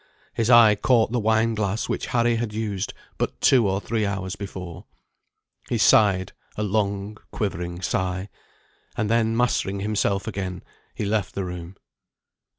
His eye caught the wine glass which Harry had used but two or three hours before. He sighed a long quivering sigh. And then mastering himself again, he left the room.